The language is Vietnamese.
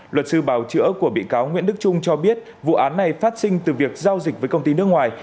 luật sư bào chữa của bị cáo nguyễn đức trung cho biết vụ án này phát sinh từ việc giao dịch với công ty nước ngoài